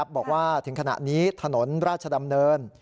บอกว่าถึงขณะนี้ถนนราชดำเนิน